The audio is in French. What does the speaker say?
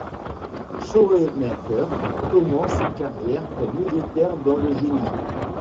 Schoemaker commence sa carrière comme militaire dans le génie.